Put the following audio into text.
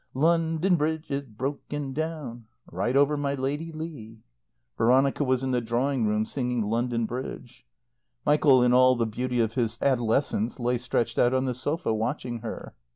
"London Bridge is broken down (Ride over my Lady Leigh!)" Veronica was in the drawing room, singing "London Bridge." Michael, in all the beauty of his adolescence, lay stretched out on the sofa, watching her.